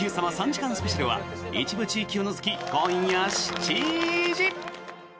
３時間スペシャルは一部地域を除き今夜７時。